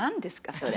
それ。